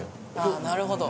ああなるほど。